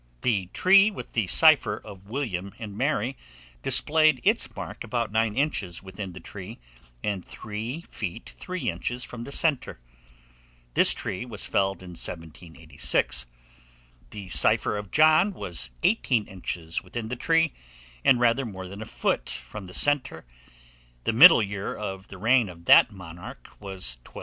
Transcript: The tree with the cipher of William and Mary displayed its mark about nine inches within the tree, and three feet three inches from the centre. This tree was felled in 1786. The cipher of John was eighteen inches within the tree, and rather more than a foot from the centre. The middle year of the reign of that monarch was 1207.